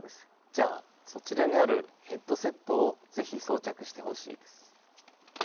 じゃあそちらにあるヘッドセットをぜひそうちゃくしてほしいです。